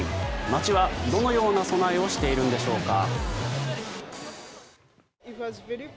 街はどのような備えをしているのでしょうか。